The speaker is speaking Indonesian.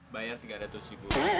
bayar tiga ratus ribu